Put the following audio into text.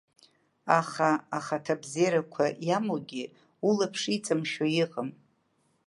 Аха ахаҭабзиарақәа иамоугьы улаԥш иҵамшәо иҟам.